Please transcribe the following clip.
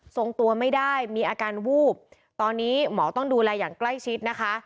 ส่งตัวไม่ได้มีอาการวูบตอนนี้หมอต้องดูแลอย่างใกล้ชิดนะคะ